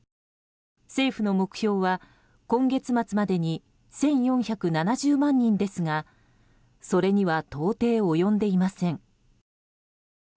政府の目標は今月末までに１４７０万人ですがそれには到底及んでいません。